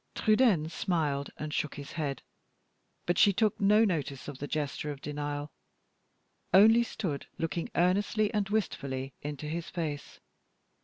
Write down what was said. Trudaine smiled and shook his head; but she took no notice of the gesture of denial only stood looking earnestly and wistfully into his face.